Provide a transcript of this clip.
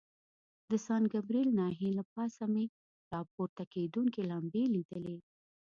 د سان ګبریل ناحیې له پاسه مې را پورته کېدونکي لمبې لیدلې.